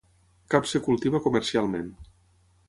Cap es cultiva comercialment.